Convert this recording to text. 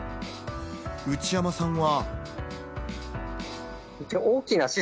内山さんは。